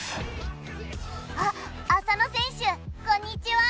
あっ浅野選手こんにちは